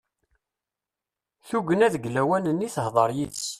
Tugna deg lawan-nni i tehder yid-s.